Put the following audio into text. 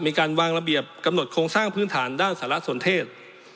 มีการวางระเบียบกำหนดโครงสร้างพื้นฐานด้านสารสนเทศ